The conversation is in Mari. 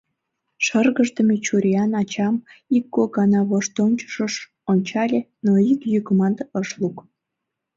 Шыргыждыме чуриян ачам ик-кок гана воштончышыш ончале, но ик йӱкымат ыш лук.